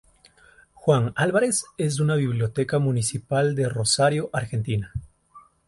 Juan Álvarez es una biblioteca municipal de Rosario, Argentina.